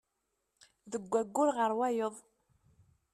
Deg wayyur ɣer wayeḍ.